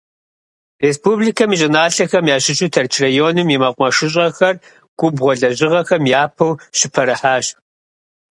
Республикэм и щӏыналъэхэм ящыщу Тэрч районым и мэкъумэшыщӏэхэр губгъуэ лэжьыгъэхэм япэу щыпэрыхьащ.